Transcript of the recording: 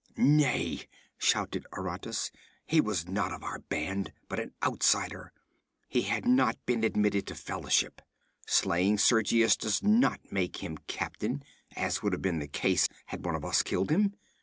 'Nay!' shouted Aratus. 'He was not of our band, but an outsider. He had not been admitted to fellowship. Slaying Sergius does not make him captain, as would have been the case had one of us killed him.'